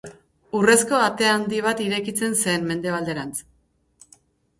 Urrezko Ate Handi bat irekitzen zen Mendebalderantz.